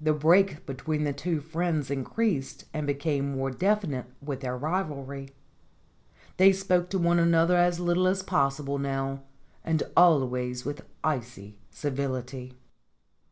The break between the two friends increased and became more definite with their rivalry. They spoke to one another as little as possible now, and always with icy civility.